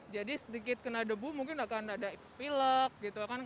jadi sedikit kena debu mungkin akan ada pilek gitu kan